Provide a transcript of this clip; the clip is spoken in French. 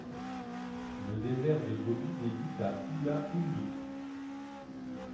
Le désert de Gobi débute à Oula-Houndouk.